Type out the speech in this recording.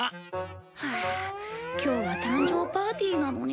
はあ今日は誕生パーティーなのに。